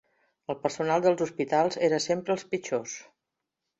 El personal dels hospitals eren sempre els pitjors.